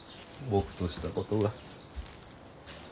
僕としたことが。